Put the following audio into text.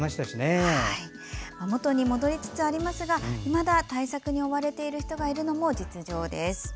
元に戻りつつありますがいまだ対策に追われている人がいるのも実情です。